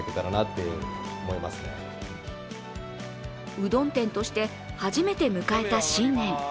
うどん店として初めて迎えた新年。